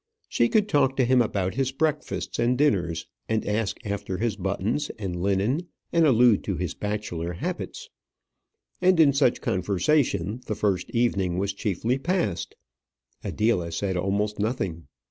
She could talk to him about his breakfasts and dinners, and ask after his buttons and linen, and allude to his bachelor habits. And in such conversation the first evening was chiefly passed. Adela said almost nothing.